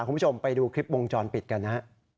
คุณผู้ชมไปดูคลิปวงจรปิดกันนะฮะ